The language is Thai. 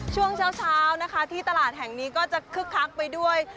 ช่วงเช้านะคะที่ตลาดแห่งนี้ก็จะคึกคักไปด้วย